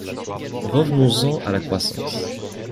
Revenons-en à la croissance.